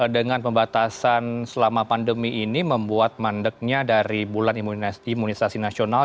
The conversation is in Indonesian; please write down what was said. dengan pembatasan selama pandemi ini membuat mandeknya dari bulan imunisasi nasional